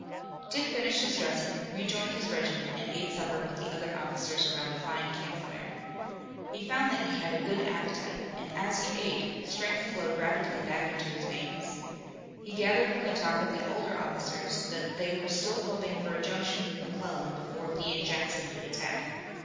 Dick finished his dressing, rejoined his regiment and ate supper with the other officers around a fine camp fire. He found that he had a good appetite, and as he ate strength flowed rapidly back into his veins. He gathered from the talk of the older officers that they were still hoping for a junction with McClellan before Lee and Jackson could attack.